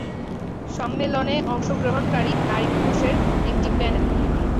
সম্মেলনে অংশগ্রহণকারী নারী-পুরুষের একটি প্যানেল।